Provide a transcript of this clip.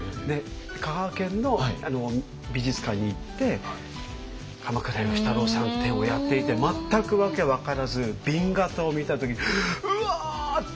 香川県の美術館に行って鎌倉芳太郎さん展をやっていて全く訳分からず紅型を見た時「うわ！」って